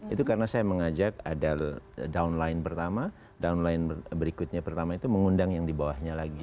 itu karena saya mengajak ada downline pertama downline berikutnya pertama itu mengundang yang di bawahnya lagi